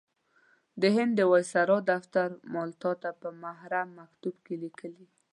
د هند د وایسرا دفتر مالټا ته په محرم مکتوب کې لیکلي.